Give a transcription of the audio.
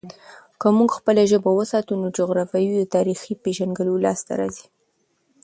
که موږ خپله ژبه وساتو، نو جغرافیايي او تاريخي پیژندګلوي لاسته راځي.